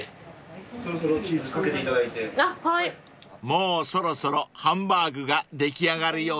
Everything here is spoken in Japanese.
［もうそろそろハンバーグが出来上がるようですよ］